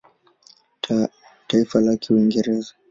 Taifa lake Uingereza.